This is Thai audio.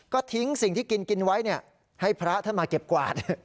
ก็ทิ้งสิ่งที่กินกินไว้ให้พระท่านมาเก็บกวาด